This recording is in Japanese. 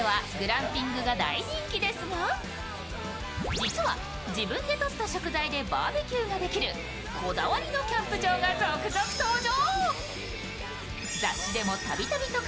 実は自分でとった食材でバーベキューができるこだわりのキャンプ場が続々登場。